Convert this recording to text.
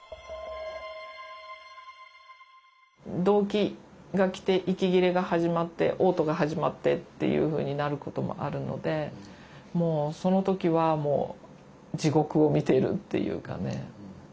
どうきが来て息切れが始まっておう吐が始まってというふうになることもあるのでもうその時はもう地獄を見ているというかね。